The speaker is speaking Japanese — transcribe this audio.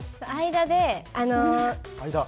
間？